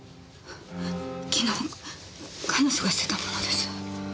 昨日彼女がしてたものです。